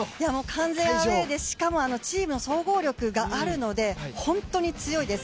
完全アウェーでしかもチーム総合力があるので本当に強いです。